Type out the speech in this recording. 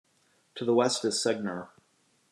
To the west is Segner.